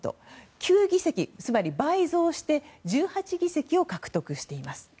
９議席つまり倍増して１８議席を獲得しています。